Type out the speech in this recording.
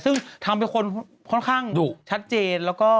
ซึ่งทำเป็นคนค่อนข้างดุชัดเจนแล้วก็